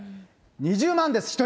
２０万です、１人。